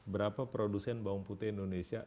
berapa produsen bawang putih indonesia